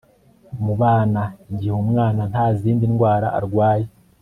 mu bana, igihe umwana nta zindi ndwara arwaye